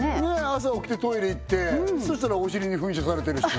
朝起きてトイレ行ってそしたらお尻に噴射されてるし